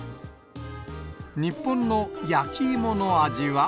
日本の焼き芋の味は？